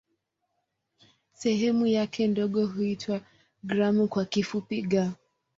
Sehemu yake ndogo huitwa "gramu" kwa kifupi "g".